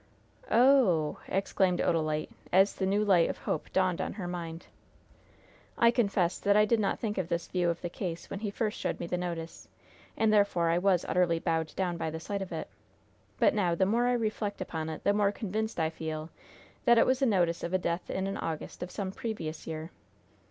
"Oh h h!" exclaimed Odalite, as the new light of hope dawned on her mind. "I confess that I did not think of this view of the case when he first showed me this notice, and, therefore, I was utterly bowed down by the sight of it. But now, the more I reflect upon it, the more convinced I feel that it was the notice of a death in an August of some previous year.